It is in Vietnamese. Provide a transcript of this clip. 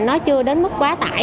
nó chưa đến mức quá tải